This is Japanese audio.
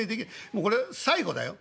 もうこれ最後だよ？